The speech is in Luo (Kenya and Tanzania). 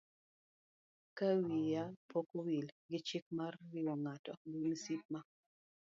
Ka wiya pok owil gi chik mar riwo ng'ato gi msip ma